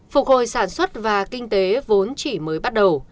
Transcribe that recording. phục hồi sản xuất và kinh tế vốn chỉ mới bắt đầu